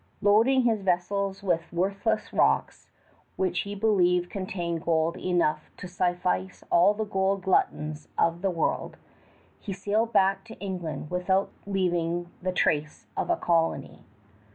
Loading his vessels with worthless rocks which he believed contained gold enough "to suffice all the gold gluttons of the world," he sailed back to England without leaving the trace of a colony.